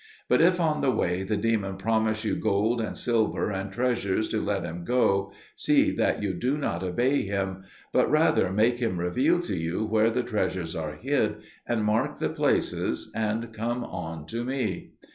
But if on the way the demon promise you gold and silver and treasures to let him go, see that you do not obey him; but rather make him reveal to you where the treasures are hid, and mark the places, and come on to me.